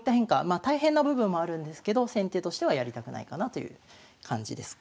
まあ大変な部分もあるんですけど先手としてはやりたくないかなという感じです。